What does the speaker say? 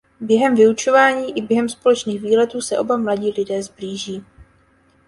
Během vyučování i během společných výletů se oba mladí lidé sblíží.